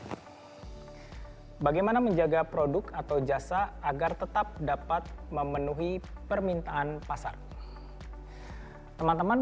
bagaimana menjaga produk atau jasa agar tetap dapat memenuhi permintaan pasar teman teman